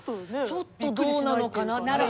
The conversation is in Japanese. ちょっとどうなのかなっていう。